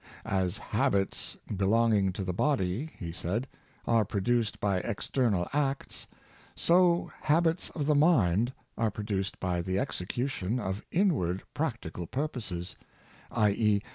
" As habits belonging to the body," he said, " are produced by external acts, so habits of the mind are produced by the execution of inward practical purposes, z, e.